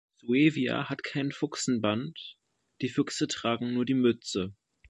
Suevia hat kein Fuchsenband, die „Füchse“ tragen nur die Mütze.